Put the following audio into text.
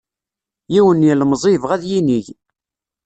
Yiwen n yilemẓi yebɣa ad yinig.